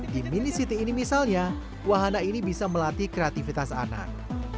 di mini city ini misalnya wahana ini bisa melatih kreativitas anak